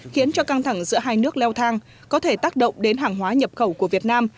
khiến cho căng thẳng giữa hai nước leo thang có thể tác động đến hàng hóa nhập khẩu của việt nam